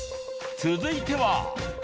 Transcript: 続いては。